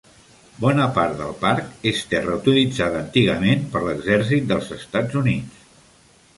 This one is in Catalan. Bona part del parc és terra utilitzada antigament per l'exèrcit dels Estats Units.